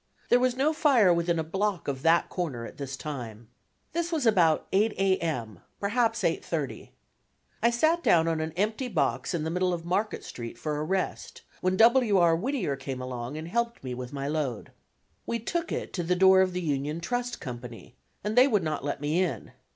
There was no fire within a block of that corner at this time. This was about 8 A. M. perhaps 8:30. I sat down on an empty box in the middle of Market Street for a rest, when W. R. Whittier came along and helped me with my load. We took it to the door of the Union Trust Company, and they would not let me in.